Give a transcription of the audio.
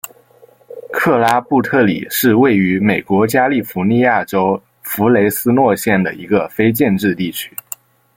克拉布特里是位于美国加利福尼亚州弗雷斯诺县的一个非建制地区。